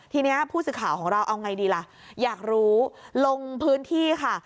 ทีนี้ผู้สื่อข่าวของเราเอาไงดีล่ะอยากรู้ลงพื้นที่ค่ะ